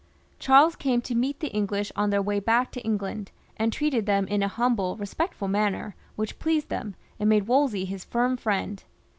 Charles came to meet them on their way back to England, and treated them in a humble respectful manner which pleased them, and made Wolsey his firm friend.